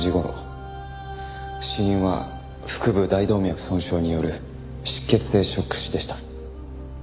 死因は腹部大動脈損傷による出血性ショック死でした。